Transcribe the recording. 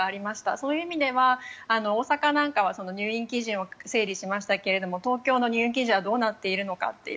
そういう意味では大阪なんかは入院基準を整理しましたけど東京の入院基準はどうなっているのかという。